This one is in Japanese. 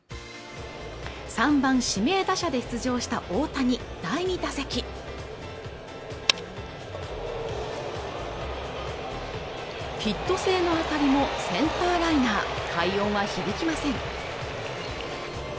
３番指名打者で出場した大谷第２打席ヒット性の当たりのセンターライナー快音は響きません